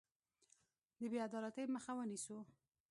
د بې عدالتۍ مخه ونیسو.